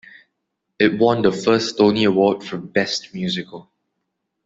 It won the first Tony Award for Best Musical.